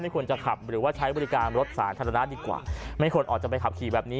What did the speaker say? ควรจะขับหรือว่าใช้บริการรถสาธารณะดีกว่าไม่ควรออกจะไปขับขี่แบบนี้